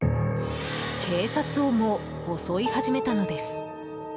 警察をも襲い始めたのです。